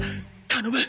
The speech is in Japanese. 頼む！